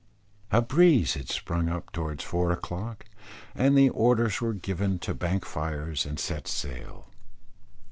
A breeze had sprung up towards four o'clock, and the orders were given to bank fires and set sail.